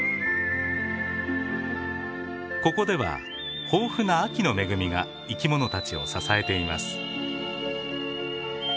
ここでは豊富な秋の恵みが生き物たちを支えています。